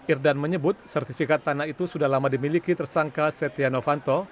irdan menyebut sertifikat tanah itu sudah lama dimiliki tersangka setia novanto